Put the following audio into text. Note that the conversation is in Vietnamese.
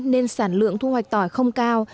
nên sản lượng thu hoạch tỏi không cao